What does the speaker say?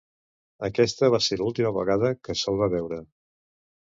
Aquesta va ser l'última vegada que se'l va veure.